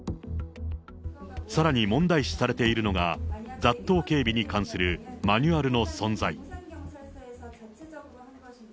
さらに問題視されているのが、雑踏警備に関するマニュアルの存在。